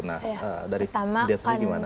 nah dari dasarnya gimana